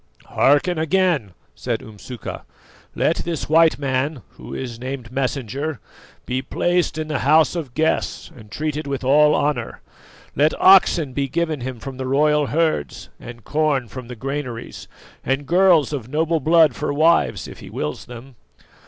"Hearken again," said Umsuka. "Let this white man, who is named Messenger, be placed in the House of Guests and treated with all honour; let oxen be given him from the royal herds and corn from the granaries, and girls of noble blood for wives if he wills them.